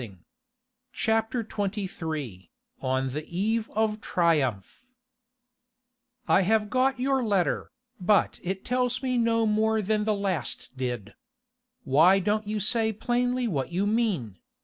CHAPTER XXIII ON THE EVE OF TRIUMPH 'I have got your letter, but it tells me no more than the last did. Why don't you say plainly what you mean?